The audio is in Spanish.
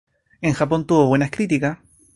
En Japón tuvo buenas criticas.